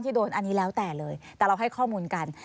โดนอันนี้แล้วแต่เลยแต่เราให้ข้อมูลกัน